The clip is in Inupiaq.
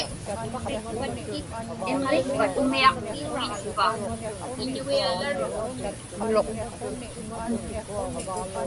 Umiaq tikitpa?